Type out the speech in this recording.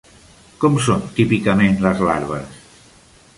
Com són típicament les larves?